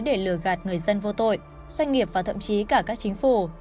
để lừa gạt người dân vô tội doanh nghiệp và thậm chí cả các chính phủ